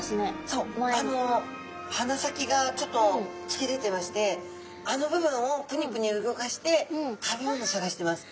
そうあの鼻先がちょっとつき出てましてあの部分をプニプニ動かして食べ物探してます。